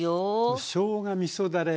しょうがみそだれ